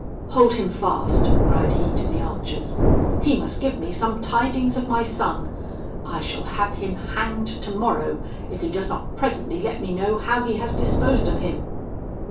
"'Hold him fast,' cried he to the archers; 'he must give me some tidings of my son; I shall have him hanged tomorrow, if he does not presently let me know how he has disposed of him.'